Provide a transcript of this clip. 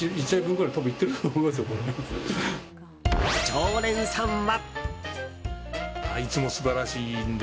常連さんは。